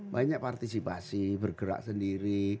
banyak partisipasi bergerak sendiri